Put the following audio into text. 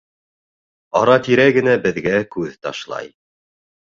Ара-тирә генә беҙгә күҙ ташлай.